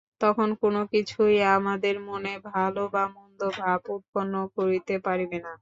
তখন কোন কিছুই আমাদের মনে ভাল বা মন্দ ভাব উৎপন্ন করিতে পারিবে না।